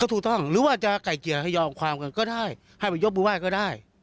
ก็ถูกต้องหรือว่าจะไก่เกียร์ให้ยอมความกันก็ได้ให้ไปยกประว่ายก็ได้